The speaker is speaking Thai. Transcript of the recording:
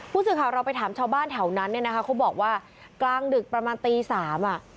ผู้สื่อข่าวเราไปถามชาวบ้านแถวนั้นเนี่ยนะคะเขาบอกว่ากลางดึกประมาณตีสามอ่ะ